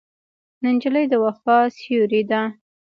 نجلۍ د وفا سیوری ده.